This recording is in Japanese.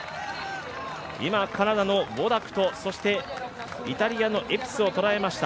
今、カナダのウォダクとそしてイタリアのエピスを捉えました。